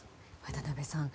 渡辺さん